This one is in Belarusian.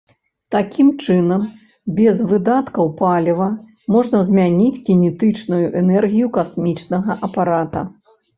Такім чынам, без выдаткаў паліва можна змяніць кінетычную энергію касмічнага апарата.